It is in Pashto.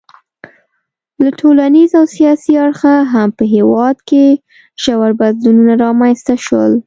له ټولنیز او سیاسي اړخه هم په هېواد کې ژور بدلونونه رامنځته شول.